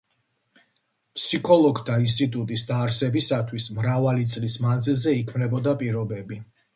ფსიქოლოგთა ინსტიტუტის დაარსებისათვის მრავალი წლის მანძილზე იქმნებოდა პირობები.